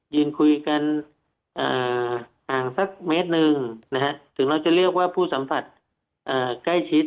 ยืนคุยกันห่างสักเมตรหนึ่งถึงเราจะเรียกว่าผู้สัมผัสใกล้ชิด